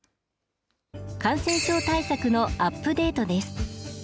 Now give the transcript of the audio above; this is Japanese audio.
感染症対策のアップデートです。